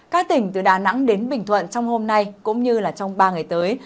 các tỉnh từ đà nẵng đến bình thuận trong hôm nay cũng như trong ba ngày tới